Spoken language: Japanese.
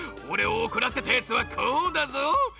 おれをおこらせたやつはこうだぞ！